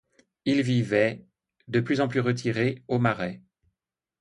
Il vivait, de plus en plus retiré, au Marais.